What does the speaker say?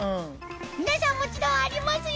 皆さんもちろんありますよ！